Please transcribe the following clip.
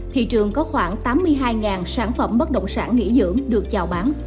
thị trường có khoảng tám mươi hai sản phẩm bất động sản nghỉ dưỡng được chào bán